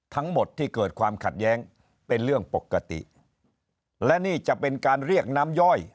ทั้งหมดที่เกิดความขัดแย้งเป็นเรื่องปกติและนี่จะเป็นการเรียกน้ำย่อย